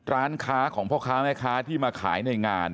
ร้านค้าของพ่อค้าแม่ค้าที่มาขายในงาน